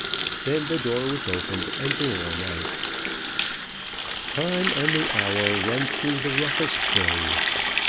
Then the door was opened and dinner announced. "Time and the hour run through the roughest day."